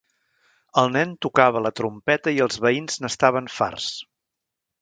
El nen tocava la trompeta i els veïns n'estaven farts.